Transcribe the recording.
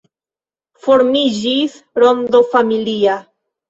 Formiĝis rondo familia.